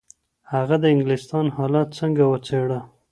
هغه د انګلستان حالت څنګه وڅېړه؟